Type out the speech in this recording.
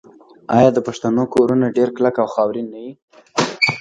آیا د پښتنو کورونه ډیر کلک او خاورین نه وي؟